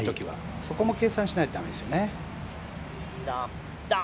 そこも計算しないといけないですよね。